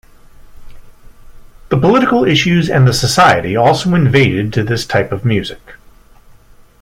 The political issues and the society also invaded to this type of music.